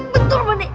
betul pak d